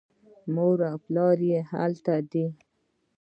مور او پلار یې هلته دي.